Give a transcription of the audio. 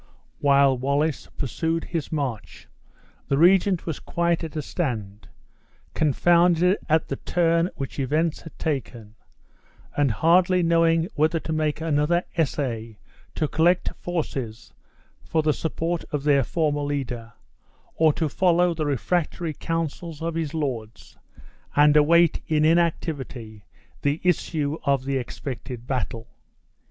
While Wallace pursued his march, the regent was quite at a stand, confounded at the turn which events had taken, and hardly knowing whether to make another essay to collect forces for the support of their former leader, or to follow the refractory counsels of his lords, and await in inactivity the issue of the expected battle.